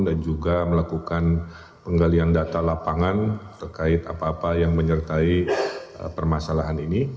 dan juga melakukan penggalian data lapangan terkait apa apa yang menyertai permasalahan ini